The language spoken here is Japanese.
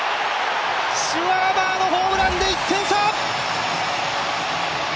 シュワーバーのホームランで１点差！